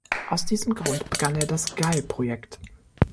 Aus diesem Grund begann er das Guile-Projekt.